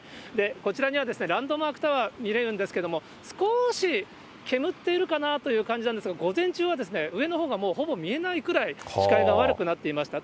こちらにはランドマークタワー見れるんですけれども、少し煙っているかなという感じなんですが、午前中は上のほうがもうほぼ見えないくらい、視界が悪くなっていました。